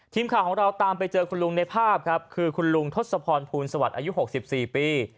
ทีมข่าวของเราตามไปเจอคุณลุงในภาพครับคือคุณลุงทศพรภูลสวัสดิ์อายุ๖๔ปี